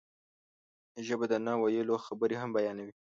ژبه د نه ویلو خبرې هم بیانوي